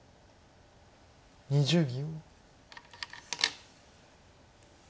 ２０秒。